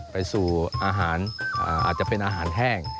ไปสู่อาหารอาจจะเป็นอาหารแห้ง